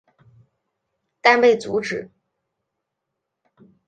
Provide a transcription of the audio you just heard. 但被阻止。